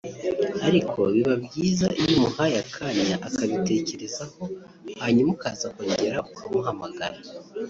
ariko biba byiza iyo umuhaye akanya akabitekereho hanyuma ukaza kongera ukamuhamagara